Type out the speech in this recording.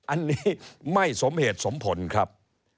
อันนี้ไม่สมเหตุสมผลครับ